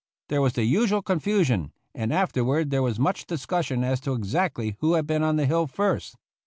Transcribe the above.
There was the usual confusion, and 133 THE CAVALRY AT SANTIAGO afterward there was much discussion as to exactly who had been on the hill first.